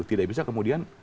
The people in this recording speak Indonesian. tidak bisa kemudian